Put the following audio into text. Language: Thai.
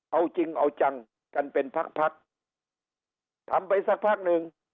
เอาจริงเอาจังกันเป็นพักพักทำไปสักพักหนึ่ง